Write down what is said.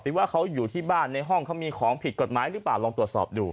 หรือว่าเขาอยู่ที่บ้านในห้องเขามีของผิดกฎหมายหรือเปล่า